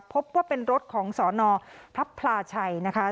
พบว่าเป็นรถของสนพระพลาชัยนะคะ